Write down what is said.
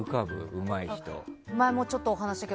うまい人。